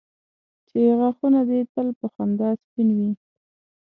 چې غاښونه دي تل په خندا سپین وي.